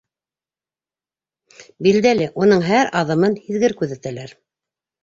Билдәле, уның һәр аҙымын һиҙгер күҙәтәләр.